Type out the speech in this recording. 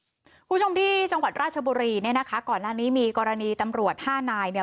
คุณผู้ชมที่จังหวัดราชบุรีเนี่ยนะคะก่อนหน้านี้มีกรณีตำรวจห้านายเนี่ย